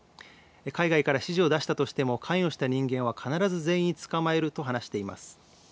海外から指示を出したとしても関与した人間は必ず全員捕まえると話しています。